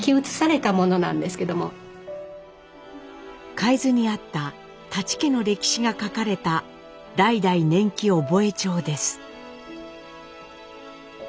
海津にあった舘家の歴史が書かれた「代々年忌覚帳」です。